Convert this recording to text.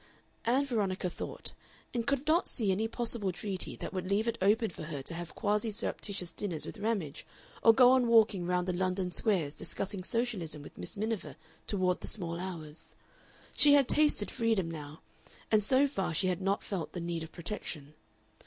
Ann Veronica thought, and could not see any possible treaty that would leave it open for her to have quasi surreptitious dinners with Ramage or go on walking round the London squares discussing Socialism with Miss Miniver toward the small hours. She had tasted freedom now, and so far she had not felt the need of protection.